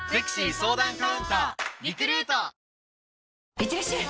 いってらっしゃい！